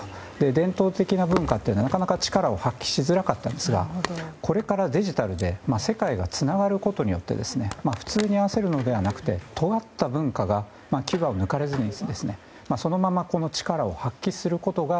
伝統的な文化はなかなか力を発揮しづらかったんですがこれからデジタルで世界がつながることによって普通に合わせるのではなくてとがった文化が牙を抜かれずにそのまま力を発揮することが